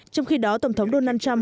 trong khi đó tổng thống donald trump